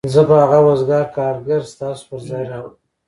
زه به هغه وزګار کارګر ستاسو پر ځای راوړم